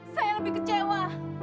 saya lebih kecewa